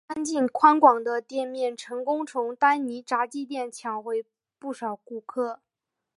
干净宽广的店面成功从丹尼炸鸡店抢回不少顾客。